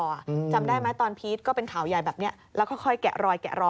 จำได้ไหมตอนพีชก็เป็นข่าวใหญ่แบบนี้แล้วค่อยแกะรอยแกะรอย